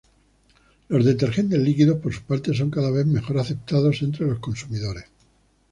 Los detergentes líquidos por su parte son cada vez mejor aceptados entre los consumidores.